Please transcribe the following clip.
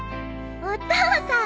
お父さん。